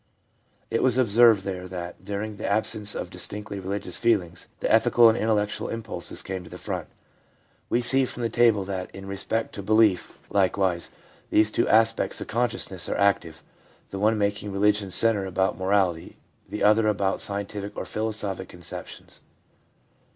It was observed there that, during the absence of distinctly religious feelings, the ethical and intellectual impulses came to the front. We ADULT LIFE— BELIEFS 317 see from the table that in respect to belief likewise these two aspects of consciousness are active, the one making religion centre about morality, the other about scientific or philosophic conceptions.